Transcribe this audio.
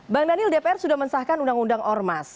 bang daniel dpr sudah mensahkan undang undang ormas